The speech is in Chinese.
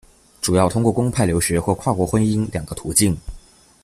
主要通过公派留学或跨国婚姻两个途径。